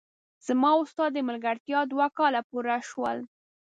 زما او ستا د ملګرتیا دوه کاله پوره شول!